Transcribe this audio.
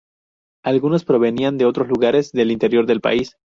Algunos provenían de otros lugares del interior del país.